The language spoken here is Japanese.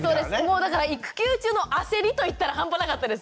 もうだから育休中の焦りといったら半端なかったです。